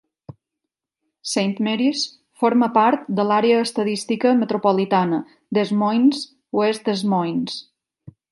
Saint Marys forma part de l'àrea estadística metropolitana Des Moines-West Des Moines.